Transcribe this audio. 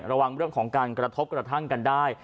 ระวังเรื่องของการกระทบกระทั่งกันได้